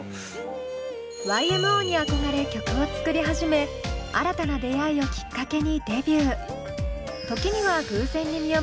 ＹＭＯに憧れ曲を作り始め新たな出会いをきっかけにデビュー。